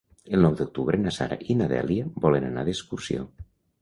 El nou d'octubre na Sara i na Dèlia volen anar d'excursió.